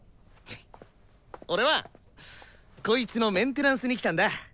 俺はこいつのメンテナンスに来たんだ。